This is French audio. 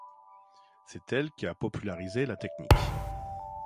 C’est elle qui a popularisé la technique.